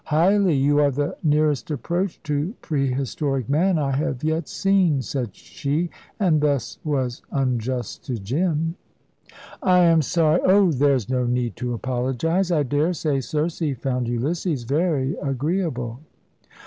"Highly. You are the nearest approach to pre historic man I have yet seen," said she, and thus was unjust to Jim. "I am sorry " "Oh, there's no need to apologise. I daresay Circe found Ulysses very agreeable."